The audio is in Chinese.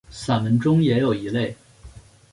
散文中也有一类。